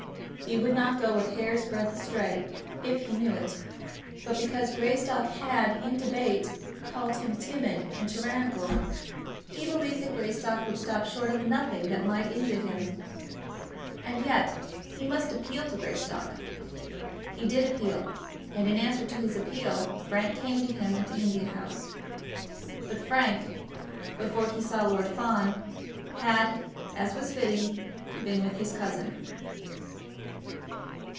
He would not go a hair's breadth astray, if he knew it; but because Greystock had, in debate, called him timid and tyrannical, he believed that Greystock would stop short of nothing that might injure him. And yet he must appeal to Greystock. He did appeal, and in answer to his appeal Frank came to him at the India House. But Frank, before he saw Lord Fawn, had, as was fitting, been with his cousin.